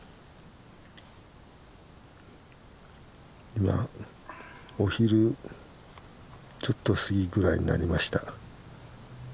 今お昼ちょっと過ぎぐらいになりました。